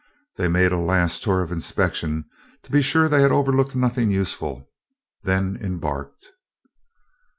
They made a last tour of inspection to be sure they had overlooked nothing useful, then embarked.